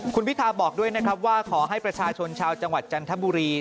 คุณพิทาบอกด้วยนะครับว่าขอให้ประชาชนชาวจังหวัดจันทบุรี